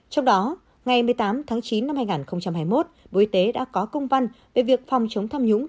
trong đó ngày một mươi tám tháng chín năm hai nghìn hai mươi một bộ y tế đã có công văn về việc phòng chống tham nhũng